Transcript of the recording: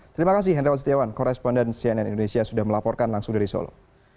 terima kasih hendrawan setiawan koresponden cnn indonesia sudah melaporkan langsung dari solo